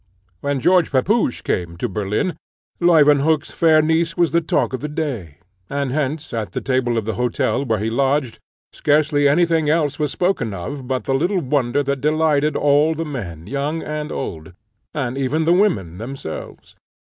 When George Pepusch came to Berlin, Leuwenhock's fair niece was the talk of the day; and hence at the table of the hotel, where he lodged, scarcely any thing else was spoken of but the little wonder that delighted all the men, young and old, and even the women themselves.